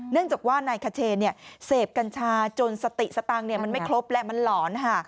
จากว่านายคเชนเสพกัญชาจนสติสตังค์มันไม่ครบและมันหลอนค่ะ